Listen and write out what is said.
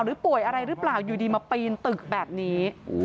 ป่วยอะไรหรือเปล่าอยู่ดีมาปีนตึกแบบนี้